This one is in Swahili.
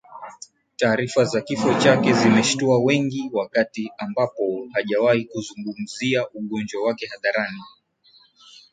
Taarifa za kifo chake zimeshutua wengi wakati ambapo hajawahi kuzungumzia ugonjwa wake hadharani